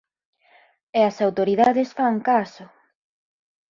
e as autoridades fan caso...